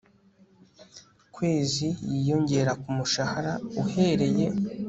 kwezi yiyongera ku mushahara uhereye